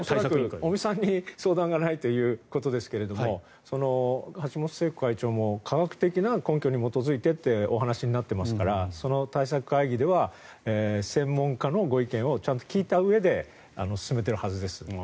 尾身さんに相談がないということですが橋本聖子会長も科学的な根拠に基づいてとお話になっていますからその対策会議では専門家のご意見をちゃんと聞いたうえで進めているはずです。